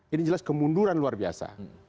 ini jelas kemunduran luar biasa